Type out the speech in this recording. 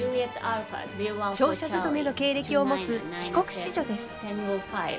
商社勤めの経歴を持つ帰国子女です。